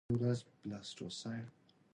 په دې نکلونو کې زړې ښځې د مکرو و فرېبه